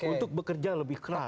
untuk bekerja lebih keras